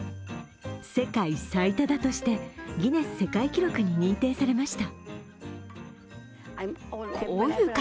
世界最多だとしてギネス世界記録に認定されました。